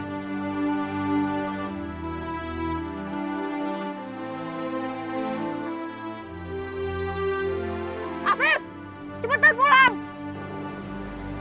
cepet baik pulang